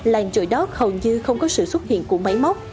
làng chổi đót hầu như không có sự xuất hiện của máy móc